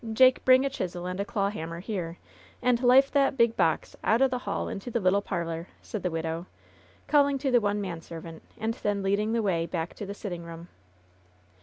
Jake, bring a chisel and a clawhammer here, and life that big box out o' the hall into the little parlor," said the widow, calling to the one manservant, and then leading the way back to the sitting room.